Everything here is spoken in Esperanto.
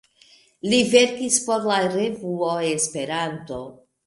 Li verkis por la "revuo Esperanto".